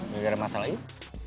juga ada masalah yuk